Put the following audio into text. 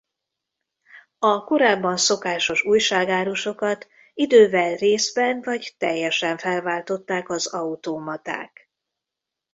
A korábban szokásos újságárusokat idővel részben vagy teljesen felváltották az automaták.